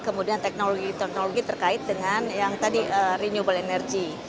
kemudian teknologi teknologi terkait dengan yang tadi renewable energy